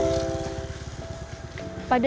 bagi saya saya adalah seorang yang dipercaya di sini